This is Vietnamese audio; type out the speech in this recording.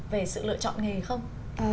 về sự lựa chọn nghề không